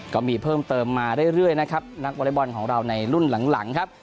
ก็มีเพิ่มเติมมาเรื่อยนะครับนักวอเล็กบอลของเราในรุ่นหลังครับ